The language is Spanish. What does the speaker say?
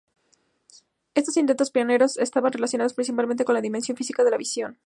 Estos intentos pioneros estaban relacionados principalmente con la dimensión física de la visión.